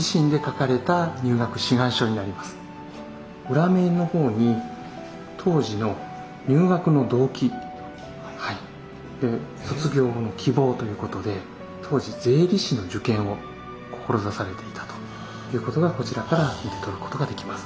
裏面の方に当時の入学の動機卒業後の希望ということで当時税理士の受験を志されていたということがこちらから読み取ることができます。